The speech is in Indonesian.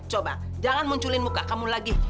coba jangan munculin muka kamu lagi